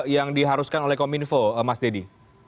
yang diharuskan oleh kominfo mas deddy